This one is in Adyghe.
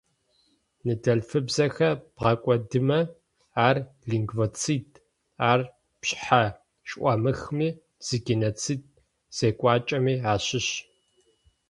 Ныдэлъфыбзэхэр бгъэкӀодымэ, ар-лингвоцид, ар пшъхьа шӏуамыхми, зы геноцид зекӏуакӏэмэ ащыщ.